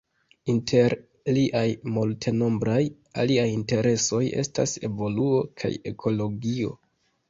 Inter liaj multenombraj aliaj interesoj estas evoluo kaj ekologio.